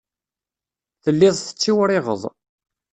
Telliḍ tettiwriɣeḍ.